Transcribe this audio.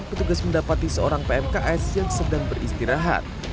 petugas mendapati seorang pmks yang sedang beristirahat